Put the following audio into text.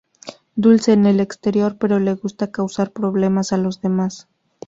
Dulce en el exterior, pero le gusta causar problemas a los demás.